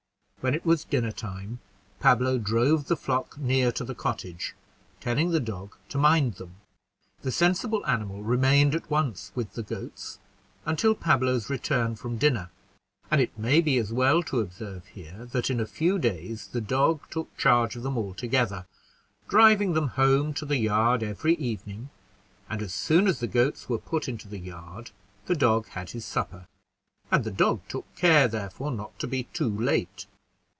When it was dinner time, Pablo drove the flock near to the cottage, telling the dog to mind them. The sensible animal remained at once with the goats until Pablo's return from dinner; and it may be as well to observe here, that in a few days the dog took charge of them altogether, driving them home to the yard every evening; and as soon as the goats were put into the yard, the dog had his supper; and the dog took care, therefore, not to be too late.